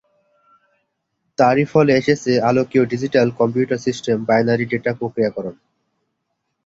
তারই ফলে এসেছে আলোকীয় digital computer system binary data প্রক্রিয়াকরণ।